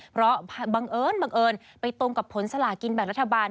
เพราะบังเอิญบังเอิญไปตรงกับผลสลากินแบ่งรัฐบาล